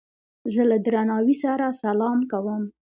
زه له درناوي سره سلام کوم.